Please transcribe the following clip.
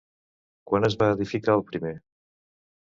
Quan es va edificar el primer?